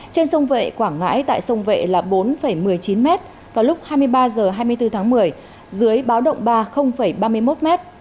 trên sông vệ quảng ngãi tại sông vệ là bốn một mươi chín m vào lúc hai mươi ba h hai mươi bốn tháng một mươi dưới báo động ba ba mươi một m